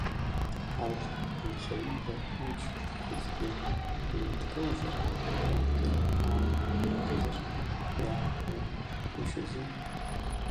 Ҳарҭ анхаҩыжәлар ҳамчқәа зегьы еидкылазар, адгьыл аарҳәтәызар, иааҳмырҳәгәышьози!